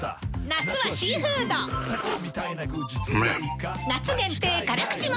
夏はシーフードうふふ！